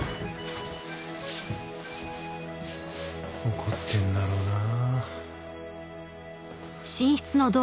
怒ってんだろうなあ。